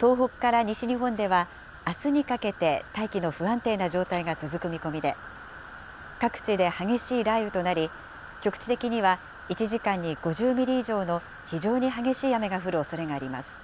東北から西日本では、あすにかけて、大気の不安定な状態が続く見込みで、各地で激しい雷雨となり、局地的には１時間に５０ミリ以上の非常に激しい雨が降るおそれがあります。